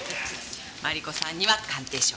マリコさんには鑑定書。